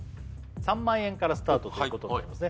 ３万円からスタートということになりますね